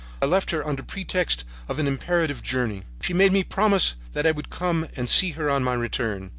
I left her under pretext of an imperative journey. She made me promise that I would come and see her on my return.